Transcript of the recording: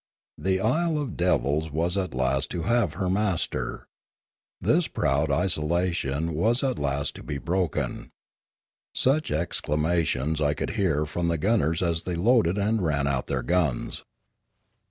This Isle of Devils was at last to have her master. This proud isolation was at last to be broken. Such exclamations I could hear from the gunners as they loaded and ran out their guns.